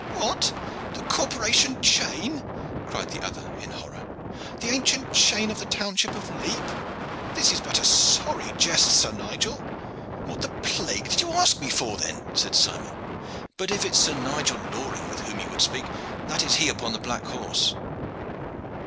"What, the corporation chain!" cried the other in horror. "The ancient chain of the township of Lepe! This is but a sorry jest, Sir Nigel." "What the plague did you ask me for then?" said Simon. "But if it is Sir Nigel Loring with whom you would speak, that is he upon the black horse."